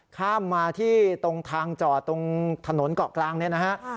ข้ามมาที่ตรงทางจอดตรงถนนเกาะกลางเนี่ยนะฮะ